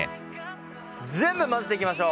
全部混ぜていきましょう。